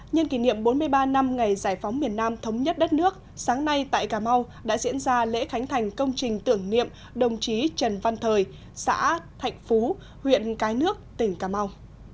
nhân kỷ niệm bốn mươi ba năm ngày giải phóng miền nam thống nhất đất nước sáng nay tại cà mau đã diễn ra lễ khánh thành công trình tưởng niệm đồng chí trần văn thời xã thạnh phú huyện cái nước tỉnh cà mau